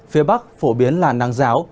phía bắc phổ biến là nắng rào